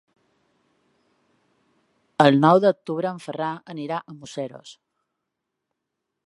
El nou d'octubre en Ferran anirà a Museros.